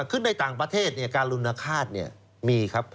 ขึ้นในต่างประเทศการรุณฆาตมีครับ